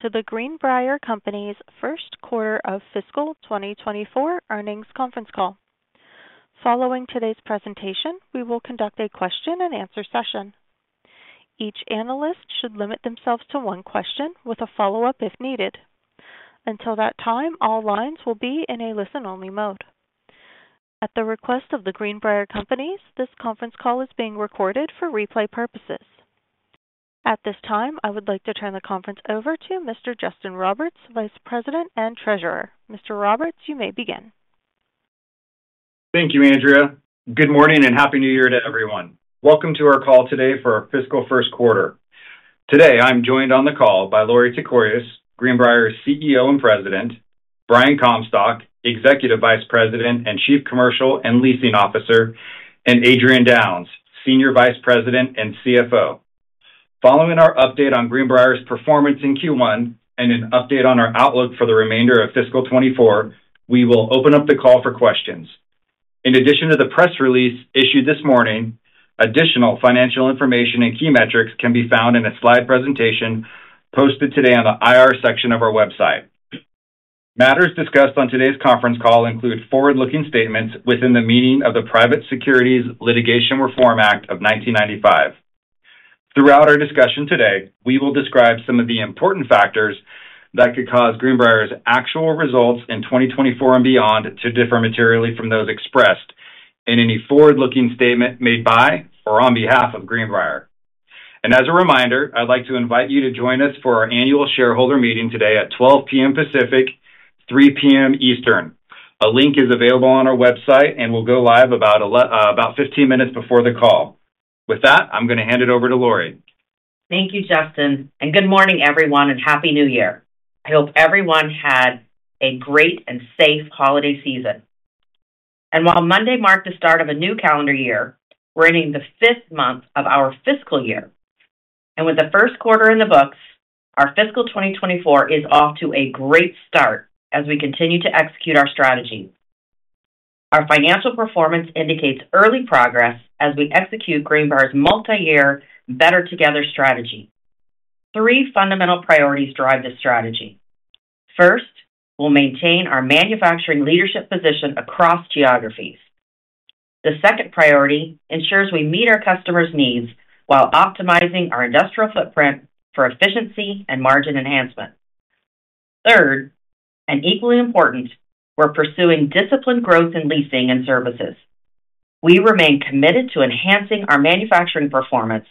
to The Greenbrier Companies' first quarter of fiscal 2024 earnings conference call. Following today's presentation, we will conduct a question-and-answer session. Each analyst should limit themselves to one question, with a follow-up if needed. Until that time, all lines will be in a listen-only mode. At the request of The Greenbrier Companies, this conference call is being recorded for replay purposes. At this time, I would like to turn the conference over to Mr. Justin Roberts, Vice President and Treasurer. Mr. Roberts, you may begin. Thank you, Andrea. Good morning, and happy New Year to everyone. Welcome to our call today for our fiscal first quarter. Today, I'm joined on the call by Lorie Tekorius, Greenbrier's CEO and President, Brian Comstock, Executive Vice President and Chief Commercial and Leasing Officer, and Adrian Downes, Senior Vice President and CFO. Following our update on Greenbrier's performance in Q1 and an update on our outlook for the remainder of fiscal 2024, we will open up the call for questions. In addition to the press release issued this morning, additional financial information and key metrics can be found in a slide presentation posted today on the IR section of our website. Matters discussed on today's conference call include forward-looking statements within the meaning of the Private Securities Litigation Reform Act of 1995. Throughout our discussion today, we will describe some of the important factors that could cause Greenbrier's actual results in 2024 and beyond to differ materially from those expressed in any forward-looking statement made by or on behalf of Greenbrier. And as a reminder, I'd like to invite you to join us for our annual shareholder meeting today at 12:00 P.M. Pacific, 3:00 P.M. Eastern. A link is available on our website, and we'll go live about fifteen minutes before the call. With that, I'm gonna hand it over to Lorie. Thank you, Justin, and good morning, everyone, and Happy New Year. I hope everyone had a great and safe holiday season. While Monday marked the start of a new calendar year, we're in the fifth month of our fiscal year, and with the first quarter in the books, our fiscal 2024 is off to a great start as we continue to execute our strategy. Our financial performance indicates early progress as we execute Greenbrier's multi-year Better Together strategy. Three fundamental priorities drive this strategy. First, we'll maintain our manufacturing leadership position across geographies. The second priority ensures we meet our customers' needs while optimizing our industrial footprint for efficiency and margin enhancement. Third, and equally important, we're pursuing disciplined growth in leasing and services. We remain committed to enhancing our manufacturing performance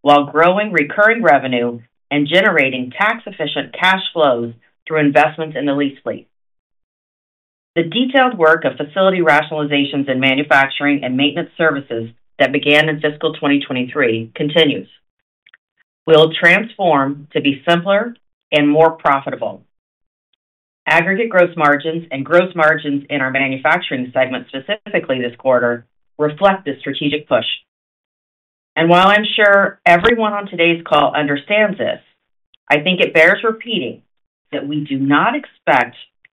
while growing recurring revenue and generating tax-efficient cash flows through investments in the lease fleet. The detailed work of facility rationalizations in manufacturing and maintenance services that began in fiscal 2023 continues. We'll transform to be simpler and more profitable. Aggregate gross margins and gross margins in our manufacturing segment, specifically this quarter, reflect this strategic push. While I'm sure everyone on today's call understands this, I think it bears repeating that we do not expect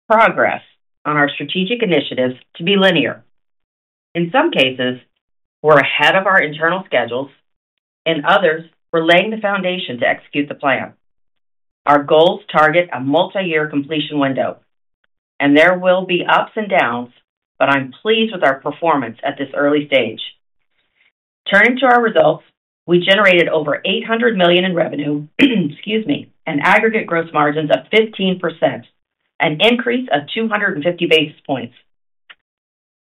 progress on our strategic initiatives to be linear. In some cases, we're ahead of our internal schedules, and others, we're laying the foundation to execute the plan. Our goals target a multi-year completion window, and there will be ups and downs, but I'm pleased with our performance at this early stage. Turning to our results, we generated over $800 million in revenue, excuse me, and aggregate gross margins of 15%, an increase of 250 basis points.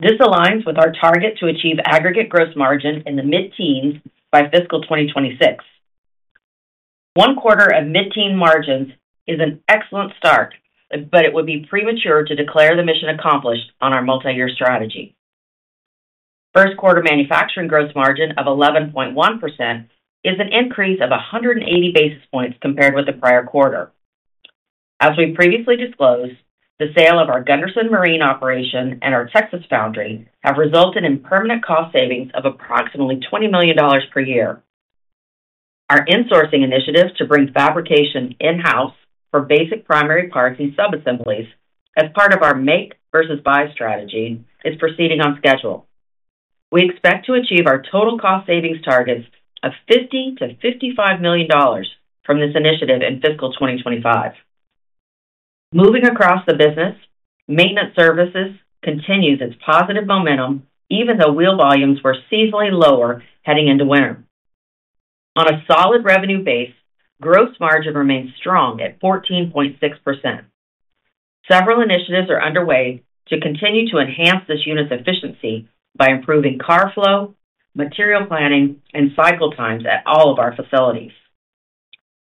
This aligns with our target to achieve aggregate gross margin in the mid-teens by fiscal 2026. One quarter of mid-teen margins is an excellent start, but it would be premature to declare the mission accomplished on our multi-year strategy. First quarter manufacturing gross margin of 11.1% is an increase of 180 basis points compared with the prior quarter. As we previously disclosed, the sale of our Gunderson Marine operation and our Texas foundry have resulted in permanent cost savings of approximately $20 million per year. Our insourcing initiatives to bring fabrication in-house for basic primary parts and subassemblies as part of our make versus buy strategy is proceeding on schedule. We expect to achieve our total cost savings targets of $50 to $55 million from this initiative in fiscal 2025. Moving across the business, maintenance services continues its positive momentum, even though wheel volumes were seasonally lower heading into winter. On a solid revenue base, gross margin remains strong at 14.6%. Several initiatives are underway to continue to enhance this unit's efficiency by improving car flow, material planning, and cycle times at all of our facilities.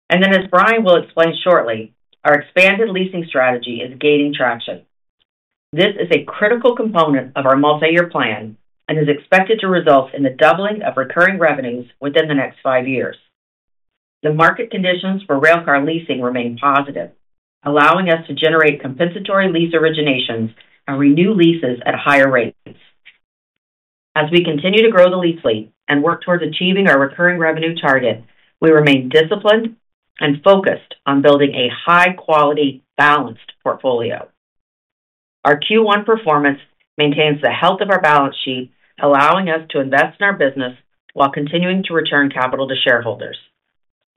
As Brian will explain shortly, our expanded leasing strategy is gaining traction. This is a critical component of our multi-year plan and is expected to result in the doubling of recurring revenues within the next five years. The market conditions for railcar leasing remain positive, allowing us to generate compensatory lease originations and renew leases at higher rates. As we continue to grow the lease fleet and work towards achieving our recurring revenue target, we remain disciplined and focused on building a high-quality, balanced portfolio. Our Q1 performance maintains the health of our balance sheet, allowing us to invest in our business while continuing to return capital to shareholders.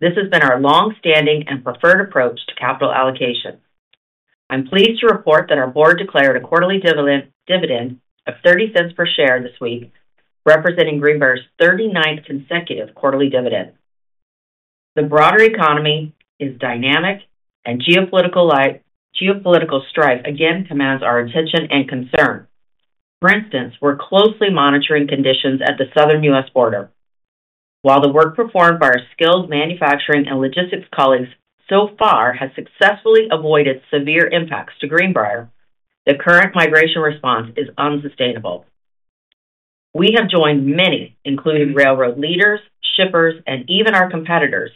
This has been our long-standing and preferred approach to capital allocation. I'm pleased to report that our board declared a quarterly dividend of $0.30 per share this week, representing Greenbrier's 39th consecutive quarterly dividend. The broader economy is dynamic, and geopolitical strife again commands our attention and concern. For instance, we're closely monitoring conditions at the southern U.S. border. While the work performed by our skilled manufacturing and logistics colleagues so far has successfully avoided severe impacts to Greenbrier, the current migration response is unsustainable. We have joined many, including railroad leaders, shippers, and even our competitors,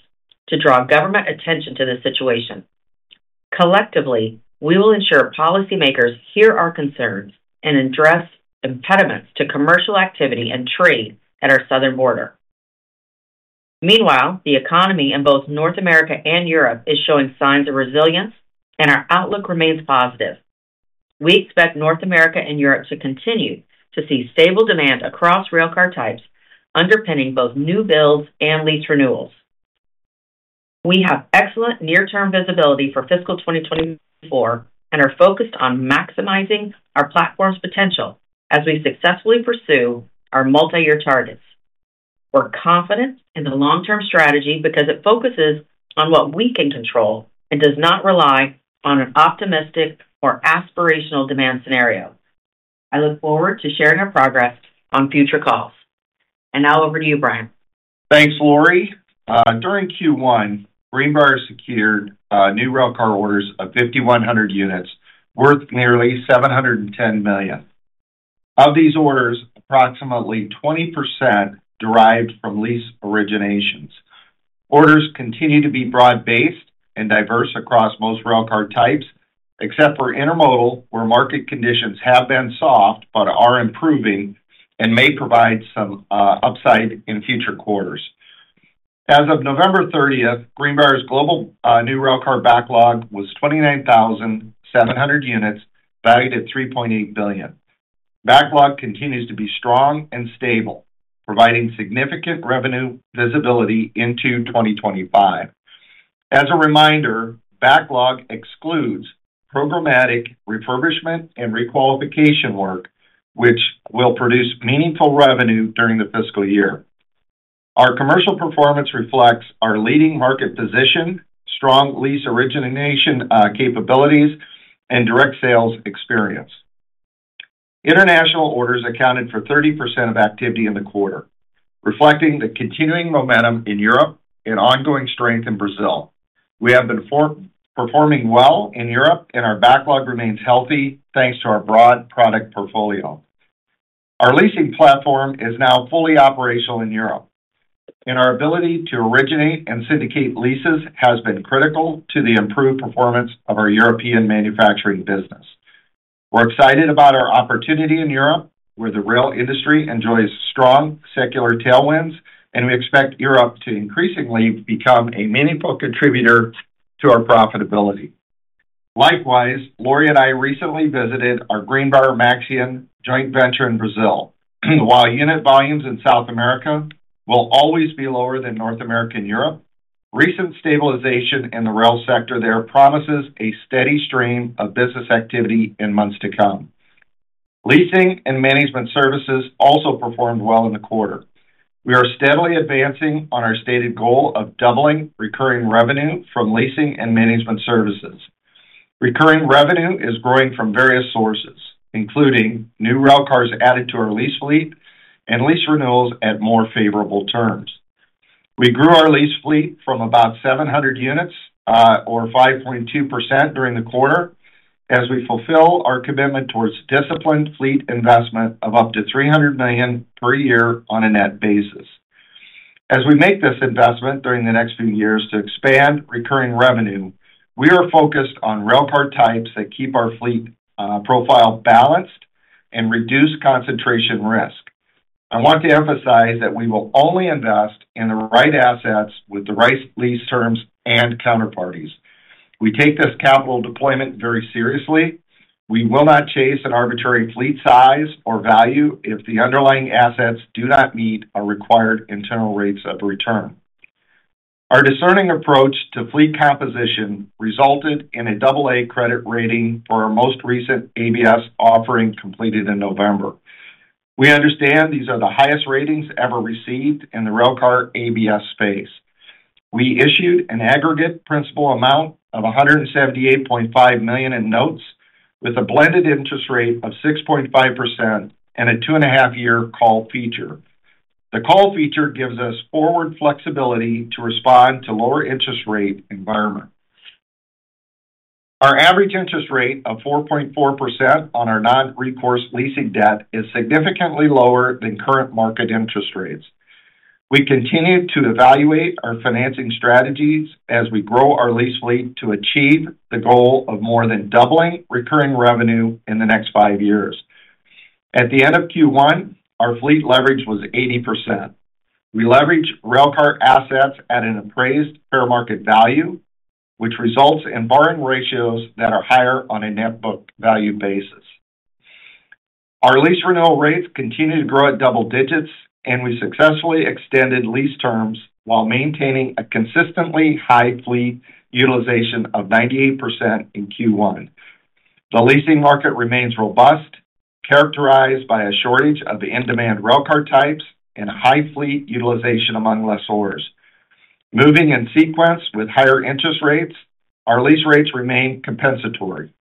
to draw government attention to this situation. Collectively, we will ensure policymakers hear our concerns and address impediments to commercial activity and trade at our southern border. Meanwhile, the economy in both North America and Europe is showing signs of resilience, and our outlook remains positive. We expect North America and Europe to continue to see stable demand across railcar types, underpinning both new builds and lease renewals. We have excellent near-term visibility for fiscal 2024 and are focused on maximizing our platform's potential as we successfully pursue our multi-year targets. We're confident in the long-term strategy because it focuses on what we can control and does not rely on an optimistic or aspirational demand scenario. I look forward to sharing our progress on future calls. And now over to you, Brian. Thanks, Lorie. During Q1, Greenbrier secured new railcar orders of 5,100 units, worth nearly $710 million. Of these orders, approximately 20% derived from lease originations. Orders continue to be broad-based and diverse across most railcar types, except for intermodal, where market conditions have been soft but are improving and may provide some upside in future quarters. As of November 30, Greenbrier's global new railcar backlog was 29,700 units, valued at $3.8 billion. Backlog continues to be strong and stable, providing significant revenue visibility into 2025. As a reminder, backlog excludes programmatic refurbishment and requalification work, which will produce meaningful revenue during the fiscal year. Our commercial performance reflects our leading market position, strong lease origination capabilities, and direct sales experience. International orders accounted for 30% of activity in the quarter, reflecting the continuing momentum in Europe and ongoing strength in Brazil. We have been outperforming well in Europe, and our backlog remains healthy, thanks to our broad product portfolio. Our leasing platform is now fully operational in Europe, and our ability to originate and syndicate leases has been critical to the improved performance of our European manufacturing business. We're excited about our opportunity in Europe, where the rail industry enjoys strong secular tailwinds, and we expect Europe to increasingly become a meaningful contributor to our profitability. Likewise, Lorie and I recently visited our Greenbrier Maxion joint venture in Brazil. While unit volumes in South America will always be lower than North America and Europe, recent stabilization in the rail sector there promises a steady stream of business activity in months to come. Leasing and management services also performed well in the quarter. We are steadily advancing on our stated goal of doubling recurring revenue from leasing and management services. Recurring revenue is growing from various sources, including new railcars added to our lease fleet and lease renewals at more favorable terms. We grew our lease fleet from about 700 units, or 5.2% during the quarter, as we fulfill our commitment towards disciplined fleet investment of up to $300 million per year on a net basis. As we make this investment during the next few years to expand recurring revenue, we are focused on railcar types that keep our fleet profile balanced and reduce concentration risk. I want to emphasize that we will only invest in the right assets with the right lease terms and counterparties. We take this capital deployment very seriously. We will not chase an arbitrary fleet size or value if the underlying assets do not meet our required internal rates of return. Our discerning approach to fleet composition resulted in a double A credit rating for our most recent ABS offering, completed in November. We understand these are the highest ratings ever received in the railcar ABS space. We issued an aggregate principal amount of $178.5 million in notes, with a blended interest rate of 6.5% and a 2.5 year call feature. The call feature gives us forward flexibility to respond to lower interest rate environment. Our average interest rate of 4.4% on our non-recourse leasing debt is significantly lower than current market interest rates. We continue to evaluate our financing strategies as we grow our lease fleet to achieve the goal of more than doubling recurring revenue in the next five years. At the end of Q1, our fleet leverage was 80%. We leveraged railcar assets at an appraised fair market value, which results in borrowing ratios that are higher on a net book value basis. Our lease renewal rates continued to grow at double digits, and we successfully extended lease terms while maintaining a consistently high fleet utilization of 98% in Q1. The leasing market remains robust, characterized by a shortage of the in-demand railcar types and high fleet utilization among lessors. Moving in sequence with higher interest rates, our lease rates remain compensatory,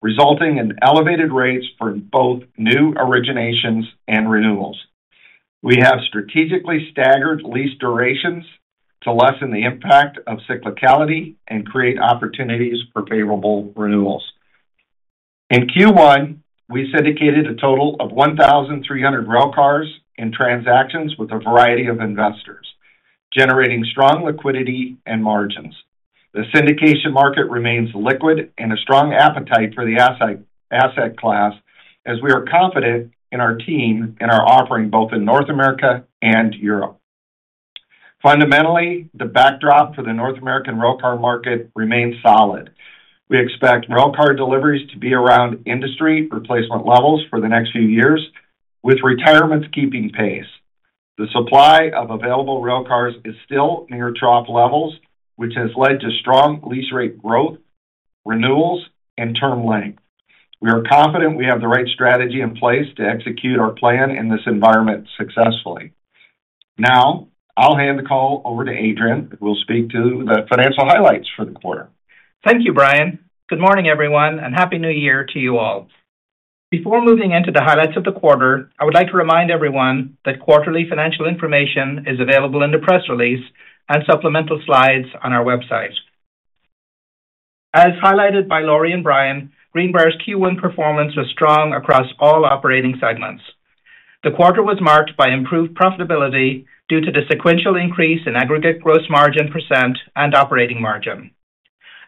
resulting in elevated rates for both new originations and renewals. We have strategically staggered lease durations to lessen the impact of cyclicality and create opportunities for favorable renewals. In Q1, we syndicated a total of 1,300 railcars in transactions with a variety of investors, generating strong liquidity and margins. The syndication market remains liquid and a strong appetite for the asset, asset class, as we are confident in our team and our offering, both in North America and Europe. Fundamentally, the backdrop for the North American railcar market remains solid. We expect railcar deliveries to be around industry replacement levels for the next few years, with retirements keeping pace. The supply of available railcars is still near trough levels, which has led to strong lease rate growth, renewals, and term length. We are confident we have the right strategy in place to execute our plan in this environment successfully. Now, I'll hand the call over to Adrian, who will speak to the financial highlights for the quarter. Thank you, Brian. Good morning, everyone, and happy new year to you all. Before moving into the highlights of the quarter, I would like to remind everyone that quarterly financial information is available in the press release and supplemental slides on our website. As highlighted by Lorie and Brian, Greenbrier's Q1 performance was strong across all operating segments. The quarter was marked by improved profitability due to the sequential increase in aggregate gross margin % and operating margin.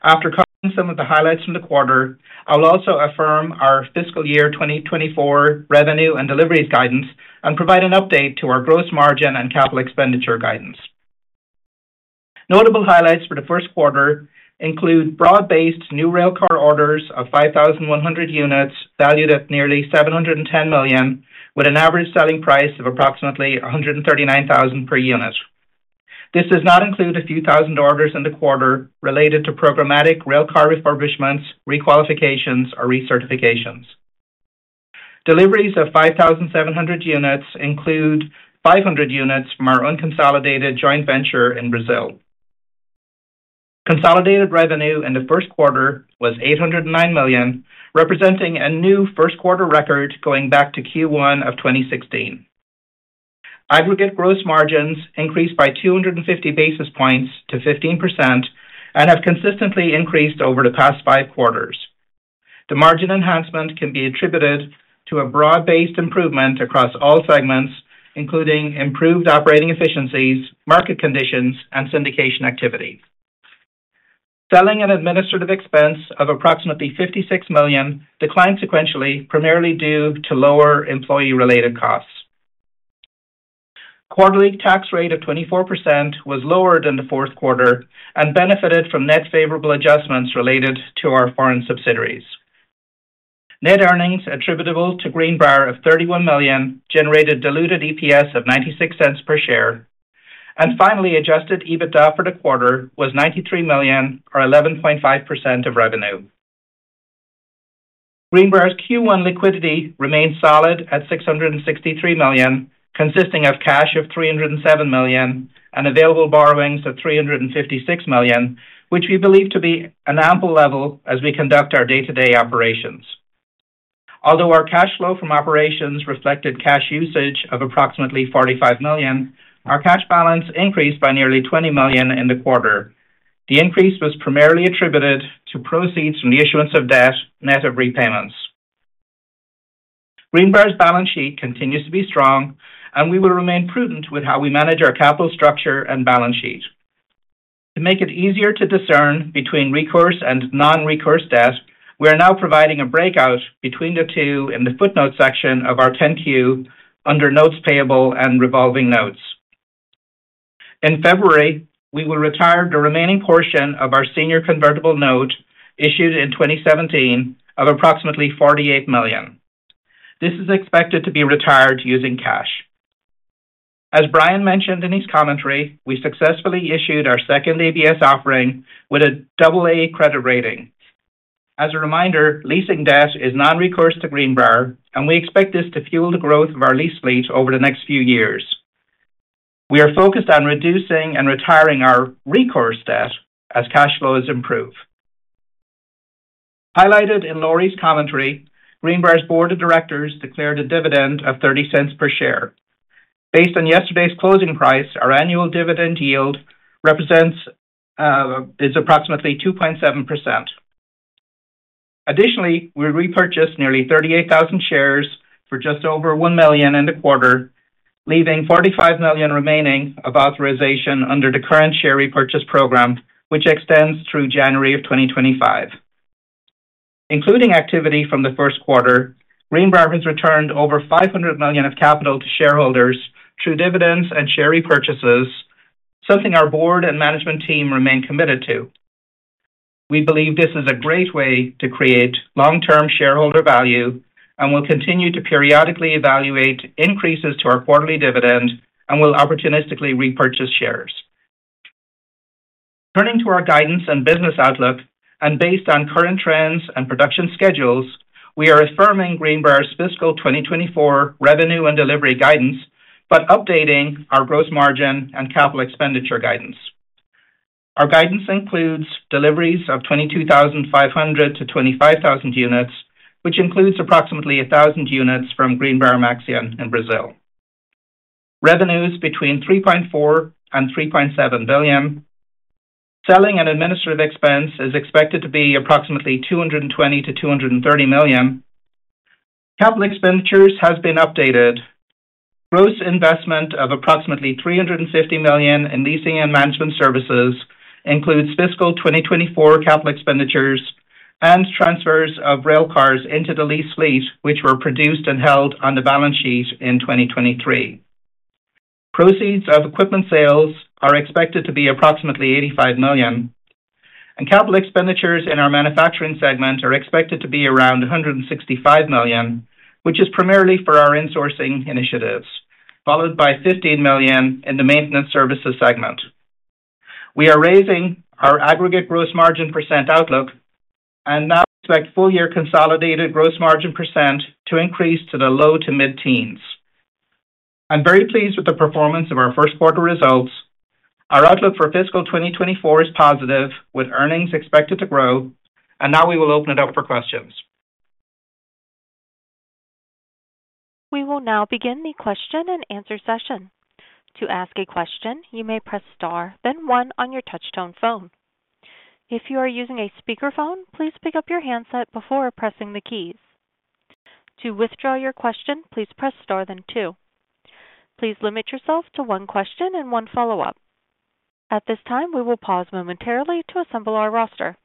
After covering some of the highlights from the quarter, I will also affirm our fiscal year 2024 revenue and deliveries guidance, and provide an update to our gross margin and capital expenditure guidance. Notable highlights for the first quarter include broad-based new railcar orders of 5,100 units, valued at nearly $710 million, with an average selling price of approximately $139,000 per unit. This does not include a few thousand orders in the quarter related to programmatic railcar refurbishments, re-qualifications, or recertifications. Deliveries of 5,700 units include 500 units from our own consolidated joint venture in Brazil. Consolidated revenue in the first quarter was $809 million, representing a new first-quarter record going back to Q1 of 2016. Aggregate gross margins increased by 250 basis points to 15% and have consistently increased over the past five quarters. The margin enhancement can be attributed to a broad-based improvement across all segments, including improved operating efficiencies, market conditions, and syndication activity. Selling and administrative expense of approximately $56 million declined sequentially, primarily due to lower employee-related costs. Quarterly tax rate of 24% was lower than the fourth quarter and benefited from net favorable adjustments related to our foreign subsidiaries. Net earnings attributable to Greenbrier of $31 million, generated Diluted EPS of $0.96 per share. And finally, Adjusted EBITDA for the quarter was $93 million or 11.5% of revenue. Greenbrier's Q1 liquidity remains solid at $663 million, consisting of cash of $307 million and available borrowings of $356 million, which we believe to be an ample level as we conduct our day-to-day operations. Although our cash flow from operations reflected cash usage of approximately $45 million, our cash balance increased by nearly $20 million in the quarter. The increase was primarily attributed to proceeds from the issuance of debt, net of repayments. Greenbrier's balance sheet continues to be strong, and we will remain prudent with how we manage our capital structure and balance sheet. To make it easier to discern between recourse and non-recourse debt, we are now providing a breakout between the two in the footnote section of our 10-Q under notes payable and revolving notes. In February, we will retire the remaining portion of our senior convertible note issued in 2017 of approximately $48 million. This is expected to be retired using cash. As Brian mentioned in his commentary, we successfully issued our second ABS offering with a double-A credit rating. As a reminder, leasing debt is non-recourse to Greenbrier, and we expect this to fuel the growth of our lease fleet over the next few years. We are focused on reducing and retiring our recourse debt as cash flows improve. Highlighted in Lorie's commentary, Greenbrier's board of directors declared a dividend of $0.30 per share. Based on yesterday's closing price, our annual dividend yield is approximately 2.7%. Additionally, we repurchased nearly 38,000 shares for just over $1 million in the quarter, leaving $45 million remaining of authorization under the current share repurchase program, which extends through January 2025. Including activity from the first quarter, Greenbrier has returned over $500 million of capital to shareholders through dividends and share repurchases, something our board and management team remain committed to. We believe this is a great way to create long-term shareholder value and will continue to periodically evaluate increases to our quarterly dividend and will opportunistically repurchase shares. Turning to our guidance and business outlook, and based on current trends and production schedules, we are affirming Greenbrier's fiscal 2024 revenue and delivery guidance, but updating our gross margin and capital expenditure guidance. Our guidance includes deliveries of 22,500 to 25,000 units, which includes approximately 1,000 units from Greenbrier Maxion in Brazil. Revenues between $3.4 to $3.7 billion. Selling and administrative expense is expected to be approximately $220 to $230 million. Capital expenditures has been updated. Gross investment of approximately $350 million in leasing and management services includes fiscal 2024 capital expenditures and transfers of railcars into the lease fleet, which were produced and held on the balance sheet in 2023. Proceeds of equipment sales are expected to be approximately $85 million, and capital expenditures in our manufacturing segment are expected to be around $165 million, which is primarily for our insourcing initiatives, followed by $15 million in the maintenance services segment. We are raising our aggregate gross margin % outlook and now expect full-year consolidated gross margin % to increase to the low- to mid-teens. I'm very pleased with the performance of our first quarter results. Our outlook for fiscal 2024 is positive, with earnings expected to grow, and now we will open it up for questions. We will now begin the question and answer session. To ask a question, you may press Star, then One on your touchtone phone. If you are using a speakerphone, please pick up your handset before pressing the keys. To withdraw your question, please press Star, then Two. Please limit yourself to one question and one follow-up. At this time, we will pause momentarily to assemble our roster.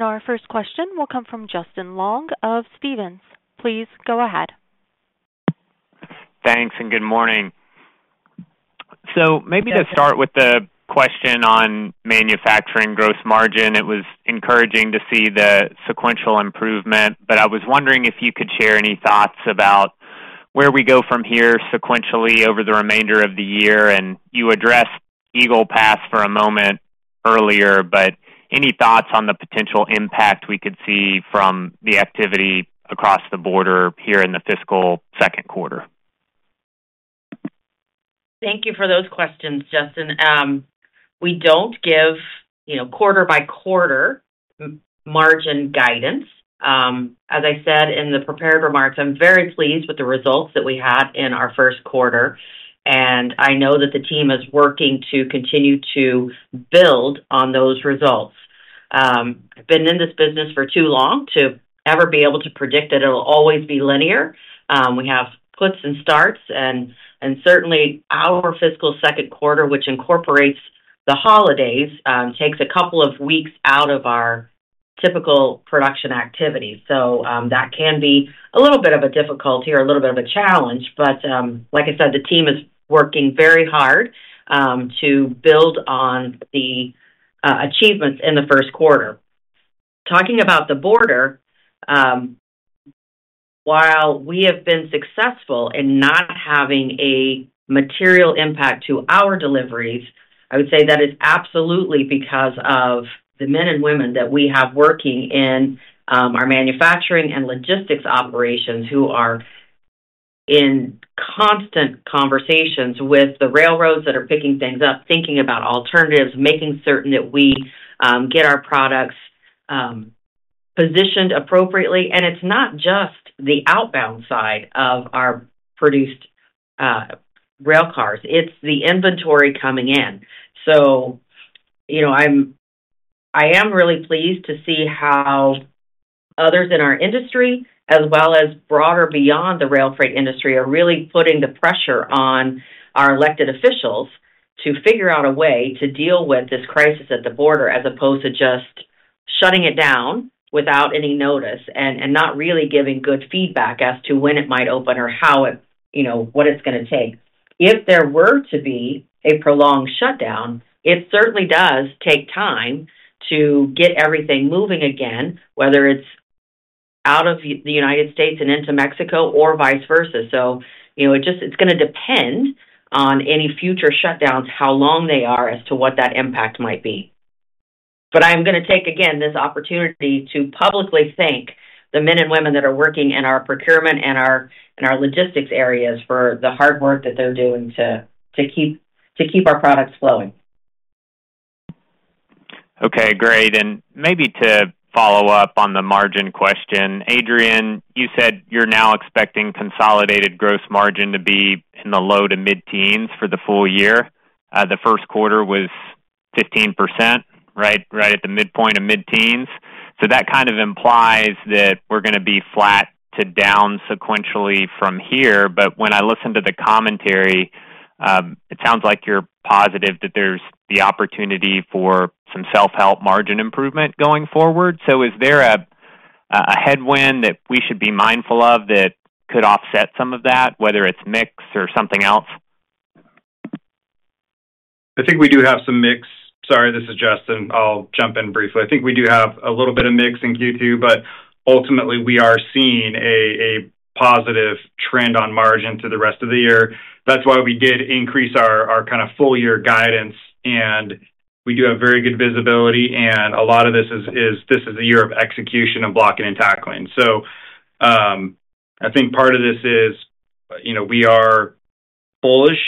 Our first question will come from Justin Long of Stephens. Please go ahead. Thanks, and good morning. So maybe to start with the question on manufacturing gross margin, it was encouraging to see the sequential improvement, but I was wondering if you could share any thoughts about where we go from here sequentially over the remainder of the year. And you addressed Eagle Pass for a moment earlier, but any thoughts on the potential impact we could see from the activity across the border here in the fiscal second quarter? Thank you for those questions, Justin. We don't give, you know, quarter-by-quarter margin guidance. As I said in the prepared remarks, I'm very pleased with the results that we had in our first quarter, and I know that the team is working to continue to build on those results. I've been in this business for too long to ever be able to predict that it'll always be linear. We have fits and starts and certainly our fiscal second quarter, which incorporates the holidays, takes a couple of weeks out of our typical production activity. So, that can be a little bit of a difficulty or a little bit of a challenge, but, like I said, the team is working very hard to build on the achievements in the first quarter. Talking about the border, while we have been successful in not having a material impact to our deliveries, I would say that is absolutely because of the men and women that we have working in our manufacturing and logistics operations, who are in constant conversations with the railroads that are picking things up, thinking about alternatives, making certain that we get our products positioned appropriately. And it's not just the outbound side of our produced rail cars, it's the inventory coming in. So, you know, I am really pleased to see how others in our industry, as well as broader, beyond the rail freight industry, are really putting the pressure on our elected officials to figure out a way to deal with this crisis at the border, as opposed to just shutting it down without any notice and not really giving good feedback as to when it might open or how it, you know, what it's gonna take. If there were to be a prolonged shutdown, it certainly does take time to get everything moving again, whether it's out of the United States and into Mexico or vice versa. So, you know, it just, it's gonna depend on any future shutdowns, how long they are as to what that impact might be. But I'm gonna take, again, this opportunity to publicly thank the men and women that are working in our procurement and our logistics areas for the hard work that they're doing to keep our products flowing. Okay, great. And maybe to follow up on the margin question, Adrian, you said you're now expecting consolidated gross margin to be in the low to mid-teens for the full year. The first quarter was 15%, right, right at the midpoint of mid-teens. So that kind of implies that we're going to be flat to down sequentially from here. But when I listen to the commentary, it sounds like you're positive that there's the opportunity for some self-help margin improvement going forward. So is there a headwind that we should be mindful of that could offset some of that, whether it's mix or something else? I think we do have some mix. Sorry, this is Justin. I'll jump in briefly. I think we do have a little bit of mix in Q2, but ultimately, we are seeing a positive trend on margin to the rest of the year. That's why we did increase our kind of full year guidance, and we do have very good visibility, and a lot of this is a year of execution and blocking and tackling. So, I think part of this is, you know, we are bullish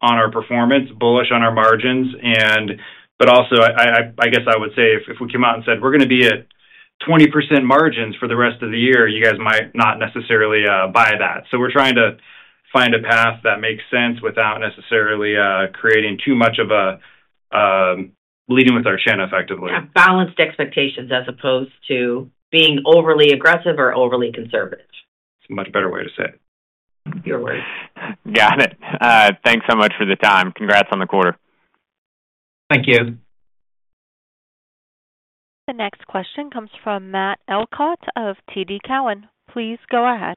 on our performance, bullish on our margins, and but also I guess I would say if we came out and said, "We're going to be at 20% margins for the rest of the year," you guys might not necessarily buy that. We're trying to find a path that makes sense without necessarily creating too much of a leading with our chin effectively. Yeah, balanced expectations as opposed to being overly aggressive or overly conservative. It's a much better way to say it. Your way. Got it. Thanks so much for the time. Congrats on the quarter. Thank you. The next question comes from Matt Elkott of TD Cowen. Please go ahead.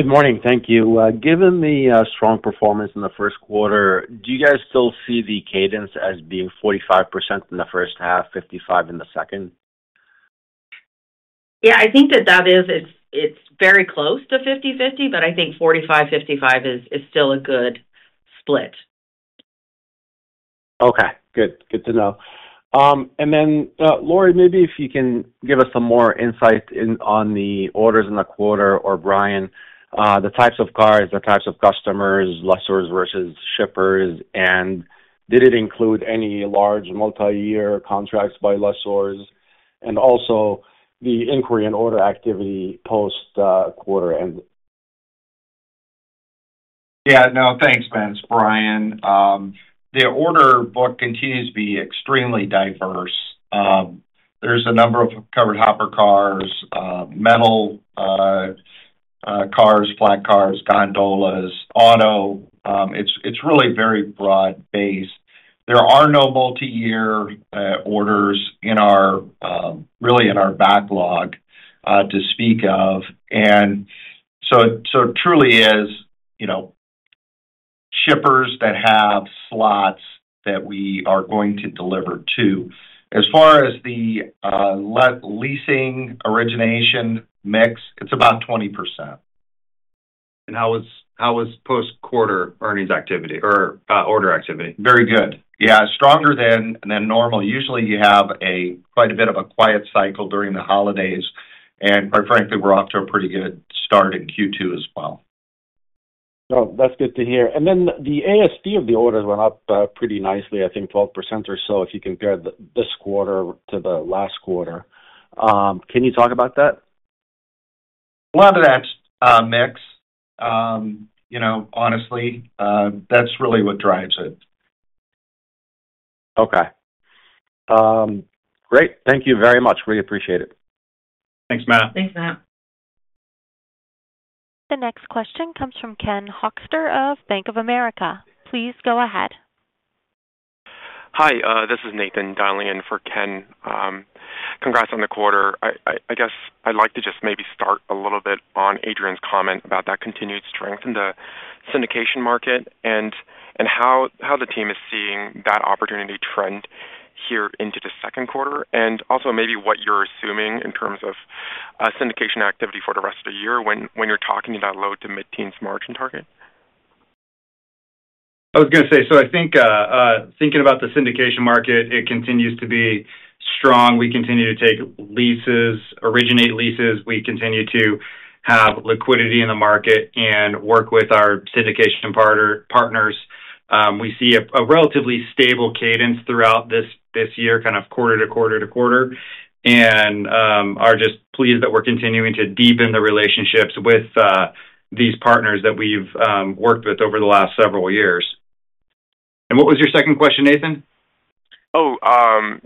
Good morning. Thank you. Given the strong performance in the first quarter, do you guys still see the cadence as being 45% in the first half, 55% in the second? Yeah, I think that it is, it's very close to 50/50, but I think 45/55 is still a good split. Okay, good. Good to know. And then, Lorie, maybe if you can give us some more insight on the orders in the quarter, or Brian, the types of cars, the types of customers, lessors versus shippers, and did it include any large multi-year contracts by lessors? And also the inquiry and order activity post quarter end. Yeah, no, thanks, Matt. It's Brian. The order book continues to be extremely diverse. There's a number of covered hopper cars, metal cars, flat cars, gondolas, auto. It's really very broad-based. There are no multi-year orders in our really in our backlog to speak of. And so, so it truly is, you know, shippers that have slots that we are going to deliver to. As far as the leasing origination mix, it's about 20%. How was post-quarter earnings activity or order activity? Very good. Yeah, stronger than normal. Usually, you have quite a bit of a quiet cycle during the holidays, and quite frankly, we're off to a pretty good start in Q2 as well. Oh, that's good to hear. And then the ASP of the orders were up pretty nicely, I think 12% or so, if you compare this quarter to the last quarter. Can you talk about that? A lot of that's mix. You know, honestly, that's really what drives it. Okay. Great. Thank you very much. Really appreciate it. Thanks, Matt. Thanks, Matt. The next question comes from Ken Hoexter of Bank of America. Please go ahead. Hi, this is Nathan dialing in for Ken. Congrats on the quarter. I guess I'd like to just maybe start a little bit on Adrian's comment about that continued strength in the syndication market and how the team is seeing that opportunity trend here into the second quarter, and also maybe what you're assuming in terms of syndication activity for the rest of the year when you're talking about low to mid-teens margin target. I was gonna say, so I think, thinking about the syndication market, it continues to be strong. We continue to take leases, originate leases, we continue to have liquidity in the market and work with our syndication partner, partners. We see a relatively stable cadence throughout this year, kind of quarter to quarter to quarter, and are just pleased that we're continuing to deepen the relationships with these partners that we've worked with over the last several years. And what was your second question, Nathan? Oh,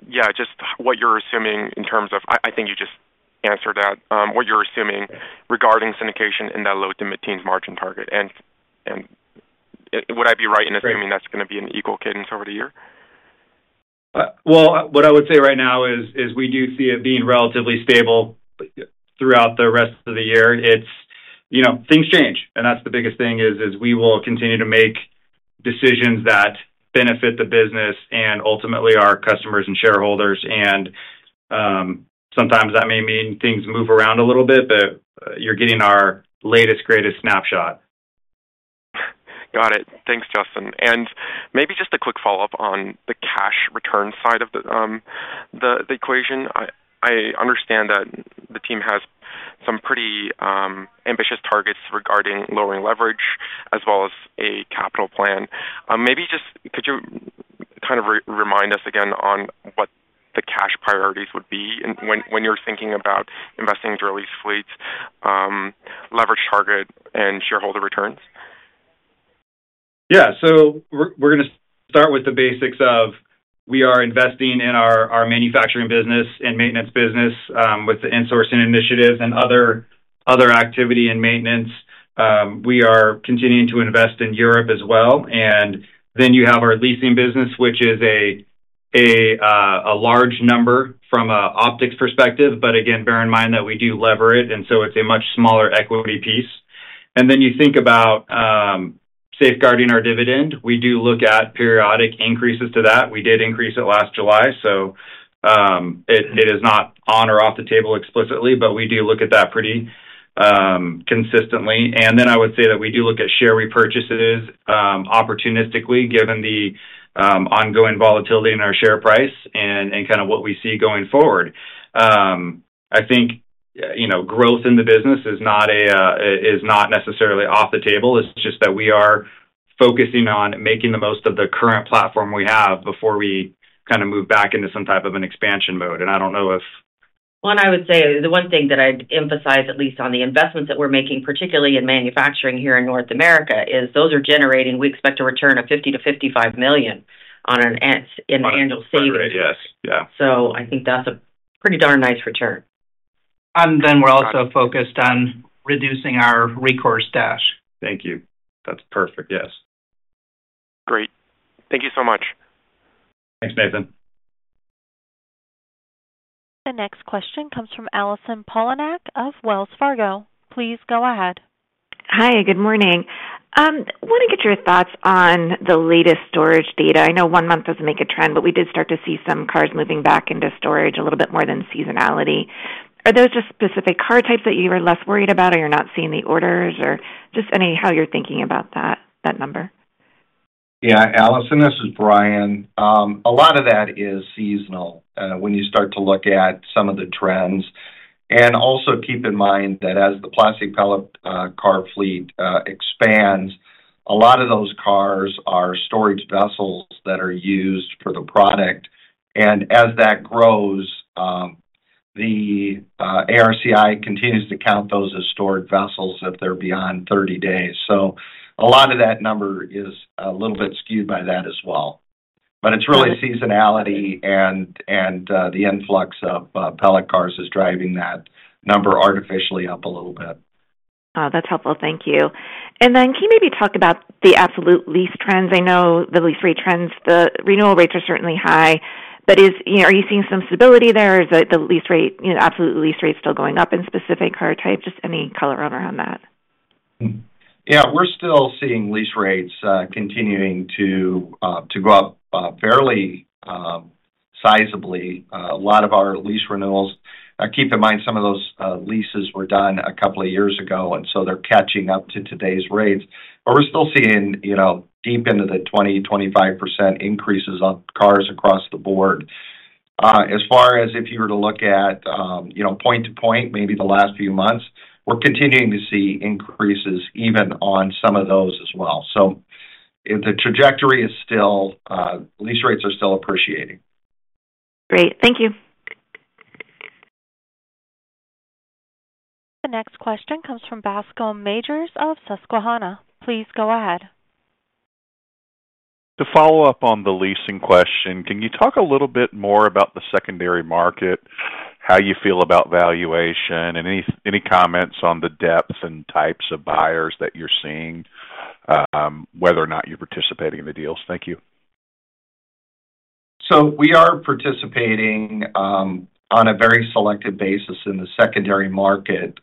yeah, just what you're assuming in terms of I think you just answered that. What you're assuming regarding syndication in that low to mid-teens margin target, and would I be right in assuming- Sure. That's going to be an equal cadence over the year? Well, what I would say right now is we do see it being relatively stable throughout the rest of the year. It's, you know, things change, and that's the biggest thing is we will continue to make decisions that benefit the business and ultimately our customers and shareholders. Sometimes that may mean things move around a little bit, but you're getting our latest, greatest snapshot. Got it. Thanks, Justin. And maybe just a quick follow-up on the cash return side of the equation. I understand that the team has some pretty ambitious targets regarding lowering leverage as well as a capital plan. Maybe just could you kind of remind us again on what the cash priorities would be and when you're thinking about investing to release fleets, leverage target and shareholder returns? Yeah. So we're gonna start with the basics of we are investing in our manufacturing business and maintenance business with the insourcing initiative and other activity and maintenance. We are continuing to invest in Europe as well. And then you have our leasing business, which is a large number from an optics perspective. But again, bear in mind that we do lever it, and so it's a much smaller equity piece. And then you think about safeguarding our dividend. We do look at periodic increases to that. We did increase it last July, so it is not on or off the table explicitly, but we do look at that pretty consistently. And then I would say that we do look at share repurchases, opportunistically, given the ongoing volatility in our share price and kind of what we see going forward. I think, you know, growth in the business is not necessarily off the table. It's just that we are focusing on making the most of the current platform we have before we kind of move back into some type of an expansion mode. And I don't know if- Well, and I would say the one thing that I'd emphasize, at least on the investments that we're making, particularly in manufacturing here in North America, is those are generating. We expect a return of $50 million to $55 million on an in annual savings. Yes. Yeah. I think that's a pretty darn nice return. And then we're also focused on reducing our recourse debt. Thank you. That's perfect. Yes. Great. Thank you so much. Thanks, Nathan. The next question comes from Allison Poliniak of Wells Fargo. Please go ahead. Hi, good morning. Want to get your thoughts on the latest storage data. I know one month doesn't make a trend, but we did start to see some cars moving back into storage a little bit more than seasonality. Are those just specific car types that you are less worried about or you're not seeing the orders or just any, how you're thinking about that, that number? Yeah, Allison, this is Brian. A lot of that is seasonal when you start to look at some of the trends. And also keep in mind that as the plastic pellet car fleet expands, a lot of those cars are storage vessels that are used for the product, and as that grows, the ARCI continues to count those as stored vessels if they're beyond 30 days. So a lot of that number is a little bit skewed by that as well. But it's really seasonality and the influx of pellet cars is driving that number artificially up a little bit. That's helpful. Thank you. And then can you maybe talk about the absolute lease trends? I know the lease rate trends, the renewal rates are certainly high, but are you seeing some stability there? Is the, the lease rate, you know, absolute lease rates still going up in specific car types? Just any color around, around that. Yeah. We're still seeing lease rates continuing to go up fairly sizably. A lot of our lease renewals, keep in mind, some of those leases were done a couple of years ago, and so they're catching up to today's rates. But we're still seeing, you know, deep into the 20%-25% increases on cars across the board. As far as if you were to look at, you know, point to point, maybe the last few months, we're continuing to see increases even on some of those as well. So the trajectory is still lease rates are still appreciating. Great. Thank you. The next question comes from Bascom Majors of Susquehanna. Please go ahead. To follow up on the leasing question, can you talk a little bit more about the secondary market, how you feel about valuation, and any, any comments on the depth and types of buyers that you're seeing, whether or not you're participating in the deals? Thank you. So we are participating on a very selective basis in the secondary market.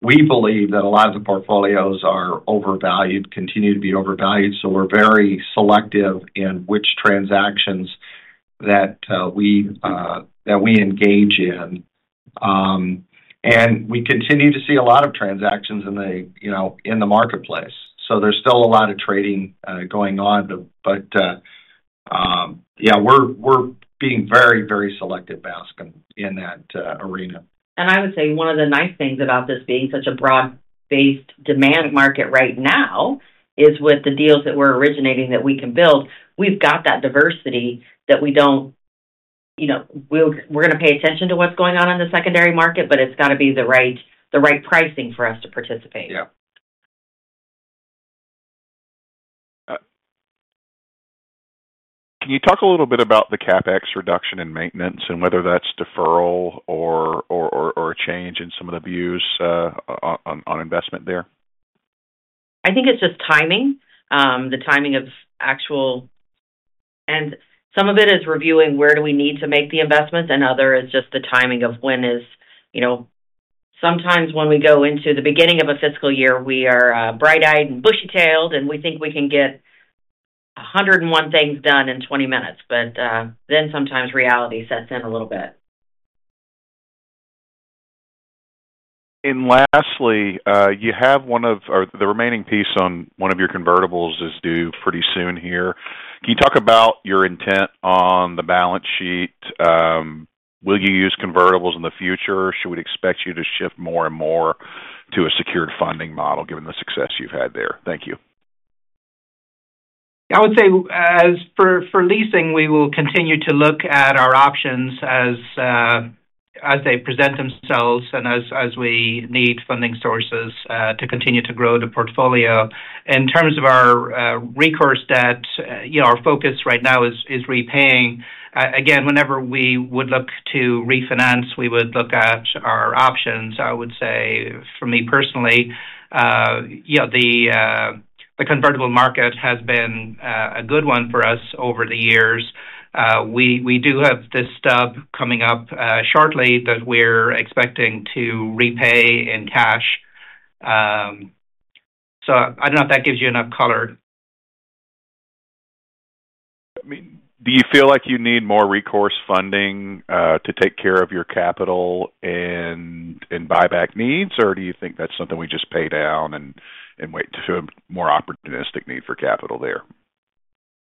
We believe that a lot of the portfolios are overvalued, continue to be overvalued, so we're very selective in which transactions that we engage in. And we continue to see a lot of transactions in the, you know, in the marketplace, so there's still a lot of trading going on. But yeah, we're being very, very selective, Bascom, in that arena. I would say one of the nice things about this being such a broad-based demand market right now is with the deals that we're originating that we can build, we've got that diversity that we don't. You know, we'll- we're gonna pay attention to what's going on in the secondary market, but it's got to be the right, the right pricing for us to participate. Yeah. Can you talk a little bit about the CapEx reduction in maintenance and whether that's deferral or a change in some of the views on investment there? I think it's just timing, the timing of actual, and some of it is reviewing where we need to make the investments, and other is just the timing of when is you know, sometimes when we go into the beginning of a fiscal year, we are, bright-eyed and bushy-tailed, and we think we can get 101 things done in 20 minutes, but, then sometimes reality sets in a little bit. And lastly, you have one of or the remaining piece on one of your convertibles is due pretty soon here. Can you talk about your intent on the balance sheet? Will you use convertibles in the future? Should we expect you to shift more and more to a secured funding model, given the success you've had there? Thank you. I would say as for, for leasing, we will continue to look at our options as, as they present themselves and as, as we need funding sources, to continue to grow the portfolio. In terms of our, recourse debt, you know, our focus right now is, is repaying. Again, whenever we would look to refinance, we would look at our options. I would say for me personally, you know, the, the convertible market has been, a good one for us over the years. We, we do have this stub coming up, shortly that we're expecting to repay in cash. So I don't know if that gives you enough color. I mean, do you feel like you need more recourse funding to take care of your capital and buyback needs? Or do you think that's something we just pay down and wait to a more opportunistic need for capital there?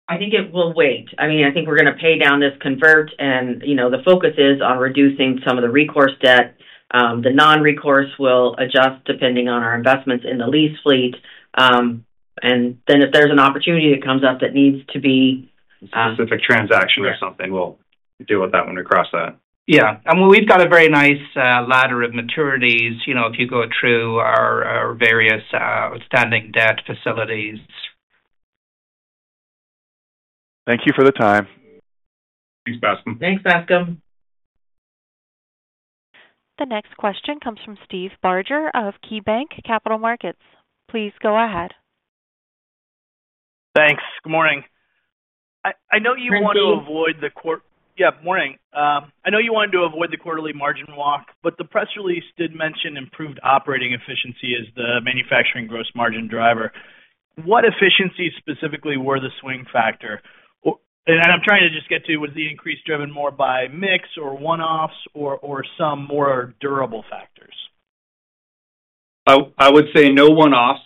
I think it will wait. I mean, I think we're going to pay down this convert, and, you know, the focus is on reducing some of the recourse debt. The non-recourse will adjust depending on our investments in the lease fleet. And then if there's an opportunity that comes up that needs to be, A specific transaction or something, we'll deal with that one across that. Yeah. And we've got a very nice ladder of maturities, you know, if you go through our various outstanding debt facilities. Thank you for the time. Thanks, Bascom. Thanks, Bascom. The next question comes from Steve Barger of KeyBanc Capital Markets. Please go ahead. Thanks. Good morning. I know you want to avoid the quar- Good morning. Yeah, morning. I know you wanted to avoid the quarterly margin walk, but the press release did mention improved operating efficiency as the manufacturing gross margin driver. What efficiencies specifically were the swing factor? And I'm trying to just get to, was the increase driven more by mix or one-offs or, or some more durable factors? I would say no one-offs.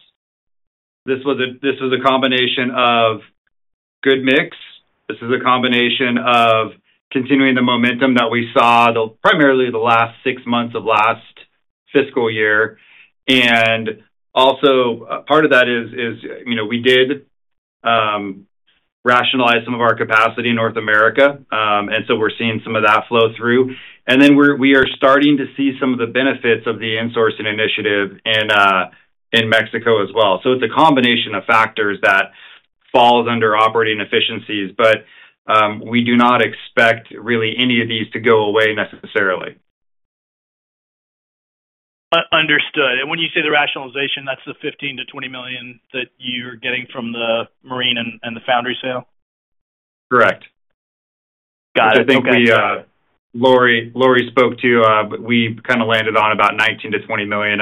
This is a combination of good mix. This is a combination of continuing the momentum that we saw, primarily the last six months of last fiscal year. And also, part of that is, you know, we did rationalize some of our capacity in North America. And so we're seeing some of that flow through. And then we are starting to see some of the benefits of the insourcing initiative in Mexico as well. So it's a combination of factors that falls under operating efficiencies, but we do not expect really any of these to go away necessarily. Understood. When you say the rationalization, that's the $15 million to $20 million that you're getting from the marine and the foundry sale? Correct. Got it. Okay. I think the Lorie spoke to, but we kind of landed on about $19 million to $20 million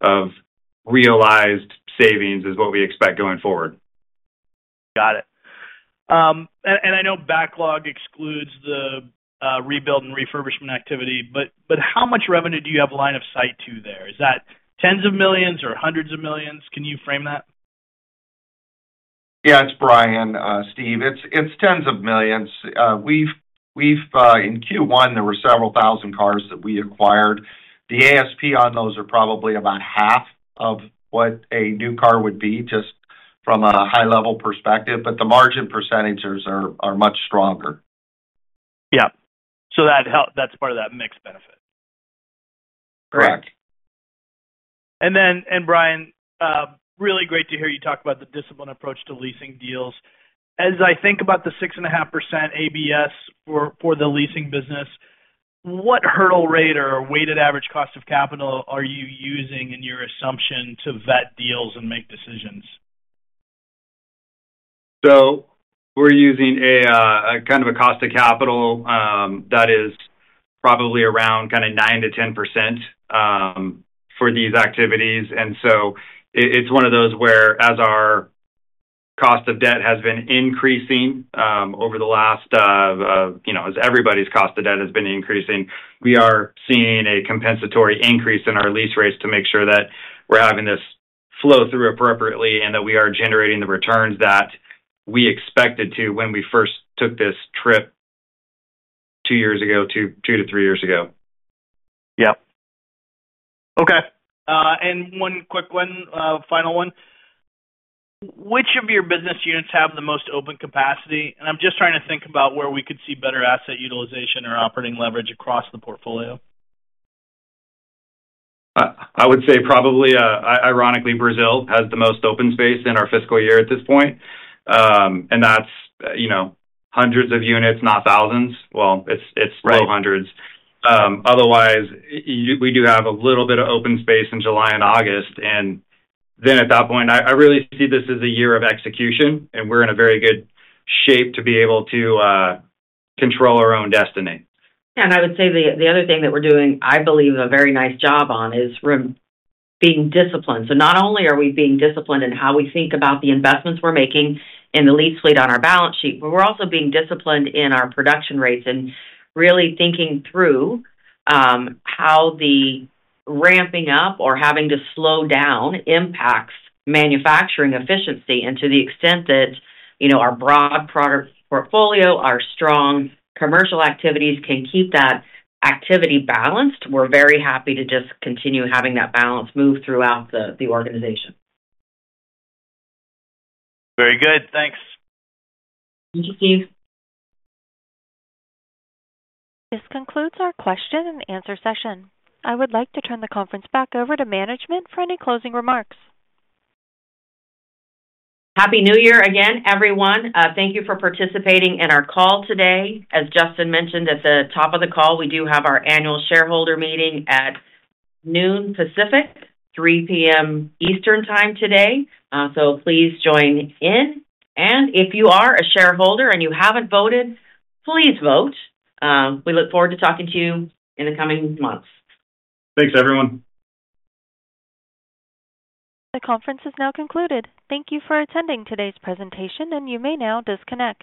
of realized savings is what we expect going forward. Got it. And I know backlog excludes the rebuild and refurbishment activity, but how much revenue do you have line of sight to there? Is that tens of millions or hundreds of millions? Can you frame that? Yeah, it's Brian, Steve. It's tens of millions. We've, in Q1, there were several thousand cars that we acquired. The ASP on those are probably about half of what a new car would be, just from a high-level perspective, but the margin percentages are much stronger. Yeah. So that's part of that mix benefit. Correct. Brian, really great to hear you talk about the disciplined approach to leasing deals. As I think about the 6.5% ABS for the leasing business, what hurdle rate or weighted average cost of capital are you using in your assumption to vet deals and make decisions? So we're using a, a kind of a cost of capital, that is probably around kind of 9% to 10%, for these activities. And so it's one of those whereas our cost of debt has been increasing, over the last of, you know, as everybody's cost of debt has been increasing, we are seeing a compensatory increase in our lease rates to make sure that we're having this flow through appropriately and that we are generating the returns that we expected to when we first took this trip 2 years ago, 2 to 3 years ago. Yeah. Okay, and one quick one, final one. Which of your business units have the most open capacity? And I'm just trying to think about where we could see better asset utilization or operating leverage across the portfolio. I would say probably, ironically, Brazil has the most open space in our fiscal year at this point. And that's, you know, hundreds of units, not thousands. Well, it's, it's- Right. still hundreds. Otherwise, we do have a little bit of open space in July and August, and then at that point, I really see this as a year of execution, and we're in a very good shape to be able to control our own destiny. Yeah, and I would say the other thing that we're doing, I believe, a very nice job on, is really being disciplined. So not only are we being disciplined in how we think about the investments we're making in the lease fleet on our balance sheet, but we're also being disciplined in our production rates and really thinking through how the ramping up or having to slow down impacts manufacturing efficiency. And to the extent that, you know, our broad product portfolio, our strong commercial activities can keep that activity balanced, we're very happy to just continue having that balance move throughout the organization. Very good. Thanks. Thank you, Steve. This concludes our question and answer session. I would like to turn the conference back over to management for any closing remarks. Happy New Year again, everyone. Thank you for participating in our call today. As Justin mentioned at the top of the call, we do have our annual shareholder meeting at 12:00 P.M. Pacific, 3:00 P.M. Eastern Time today. So please join in, and if you are a shareholder and you haven't voted, please vote. We look forward to talking to you in the coming months. Thanks, everyone. The conference is now concluded. Thank you for attending today's presentation, and you may now disconnect.